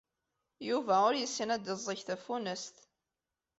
Yuba ur yessin ad d-yeẓẓeg tafunast.